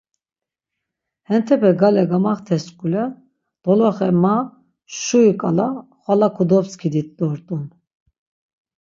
Hentepe gale kogamaxtes şkule, doloxe ma, Şuri ǩala xvala kodobskidit dort̆un.